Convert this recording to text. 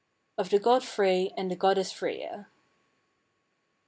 '" OF THE GOD FREY, AND THE GODDESS FREYJA.